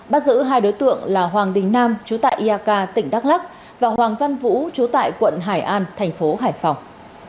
bắt giữ hai đối tượng là hoàng đình nam trú tại ia ca tỉnh đắk lắc và hoàng văn vũ trú tại quận hải an thành phố hải phòng